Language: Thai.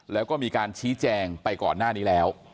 แล้วก็มีการชี้แจงไปก่อนหน้านี้แล้ว